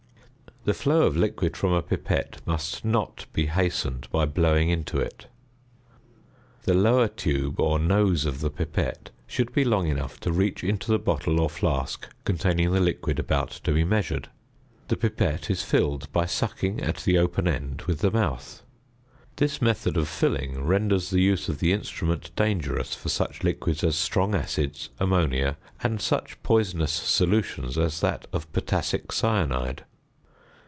The flow of liquid from a pipette must not be hastened by blowing into it. The lower tube or nose of the pipette should be long enough to reach into the bottle or flask containing the liquid about to be measured. The pipette is filled by sucking at the open end with the mouth; this method of filling renders the use of the instrument dangerous for such liquids as strong acids, ammonia, and such poisonous solutions as that of potassic cyanide.